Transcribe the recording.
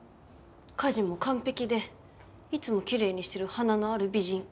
家事も完璧でいつもきれいにしてる華のある美人。